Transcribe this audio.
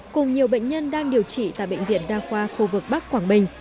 cùng nhiều bệnh nhân đang điều trị tại bệnh viện đa khoa khu vực bắc quảng bình